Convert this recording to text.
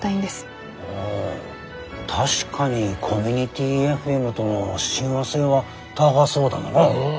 ああ確かにコミュニティＦＭどの親和性は高そうだな。